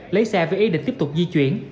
lấy xe với ý định tiếp tục di chuyển